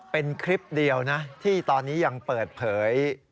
เป็นคลิปเดียวนะที่ตอนนี้ยังเปิดเผย